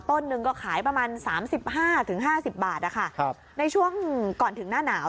ต้นหนึ่งก็ขายประมาณ๓๕๕๐บาทนะคะในช่วงก่อนถึงหน้าหนาว